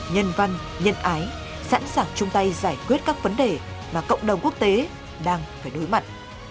nhân văn nhân ái sẵn sàng chung tay giải quyết các vấn đề mà cộng đồng quốc tế đang phải đối mặt